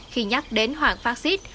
khi nhắc đến hoàng phát xít